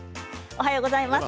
おはようございます。